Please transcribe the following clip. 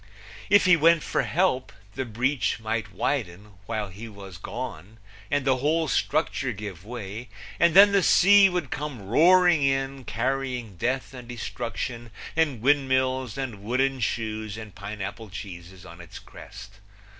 If he went for help the breach might widen while he was gone and the whole structure give way, and then the sea would come roaring in, carrying death and destruction and windmills and wooden shoes and pineapple cheeses on its crest.